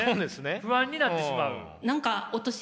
不安になってしまう？